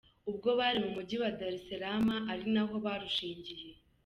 Ubwo bari mu mujyi wa Dar es Salaam ari naho barushingiye.